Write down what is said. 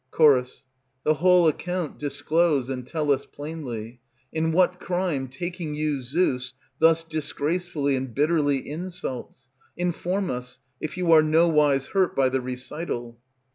Ch. The whole account disclose and tell us plainly, In what crime taking you Zeus Thus disgracefully and bitterly insults; Inform us, if you are nowise hurt by the recital.